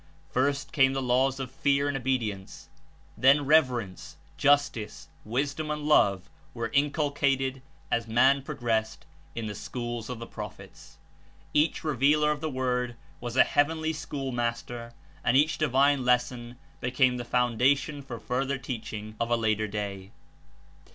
First came the laws of fear and obedience; then reverence, jus tice, wisdom and love were Inculcated Heavenly as mankind progressed In the "Schools School of the Prophets." Each revealer of the "^^^^^^^ Word was a heavenly schoolmaster and each divine lesson became the foundation for the further teach ing of a later day.